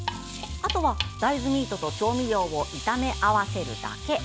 あとは、大豆ミートと調味料を炒め合わせるだけ。